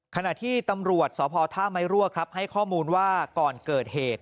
ขณะที่ตำรวจสพท่าไม้รั่วครับให้ข้อมูลว่าก่อนเกิดเหตุ